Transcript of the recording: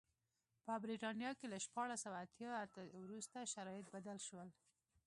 په برېټانیا کې له شپاړس سوه اته اتیا وروسته شرایط بدل شول.